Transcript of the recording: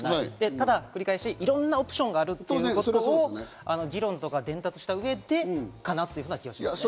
ただ、繰り返し、いろんなオプションがあるということを議論、伝達した上でかなという気がします。